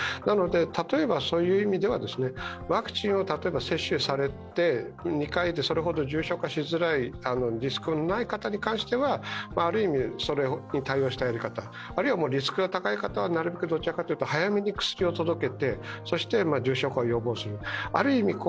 なので、そういう意味ではワクチンは例えば接種されて、２回でそれほど重症化しづらい、リスクのない方に関してはある意味、それに対応したやり方、リスクが高い方はなるべくどちらかというと早めに薬を届けて重症化を予防する。